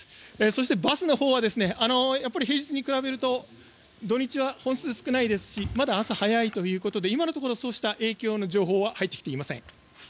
バスのほうは平日に比べると土日は本数が少ないですしまだ朝早いということで今のところそうした影響の情報は入ってきていません。